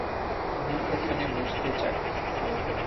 আমি ওখানে বসতে চাই।